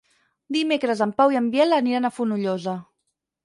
Dimecres en Pau i en Biel aniran a Fonollosa.